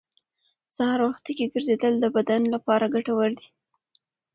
سهار وختي ګرځېدل د بدن لپاره ګټور دي